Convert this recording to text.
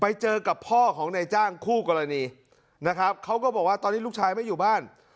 ไปเจอกับพ่อของนายจ้างคู่กรณีนะครับเขาก็บอกว่าตอนนี้ลูกชายไม่อยู่บ้าน